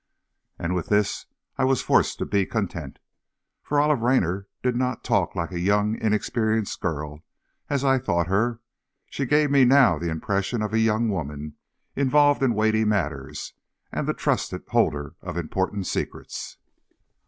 And with this I was forced to be content. For Olive Raynor did not talk like a young, inexperienced girl, as I had thought her; she gave me now the impression of a young woman involved in weighty matters, and the trusted holder of important secrets.